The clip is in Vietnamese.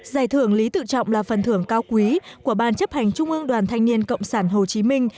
giải thưởng lý tự trọng là phần thưởng cao quý của ban chấp hành trung ương đoàn thanh niên cộng sản hồ chí minh